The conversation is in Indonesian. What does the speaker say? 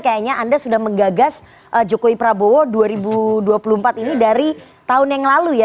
kayaknya anda sudah menggagas jokowi prabowo dua ribu dua puluh empat ini dari tahun yang lalu ya